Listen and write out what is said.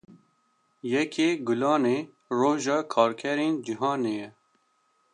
Yekê Gulanê, roja karkerên cîhanê ye